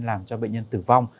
làm cho bệnh nhân tử vong